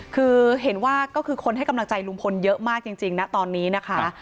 คือเห็นว่าก็คือคนให้กำลังใจลุงพลเยอะมากจริงนะตอนนี้นะคะ